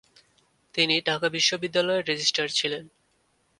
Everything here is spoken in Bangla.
তিনি ঢাকা বিশ্ববিদ্যালয়ের রেজিস্ট্রার ছিলেন।